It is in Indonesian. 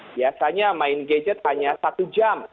biasanya main gadget hanya satu jam